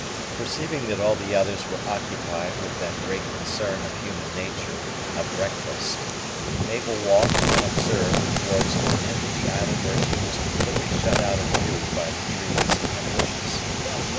Perceiving that all the others were occupied with that great concern of human nature, a breakfast, Mabel walked, unobserved, towards an end of the island where she was completely shut out of view by the trees and bushes.